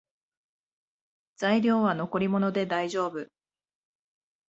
材料は残り物でだいじょうぶ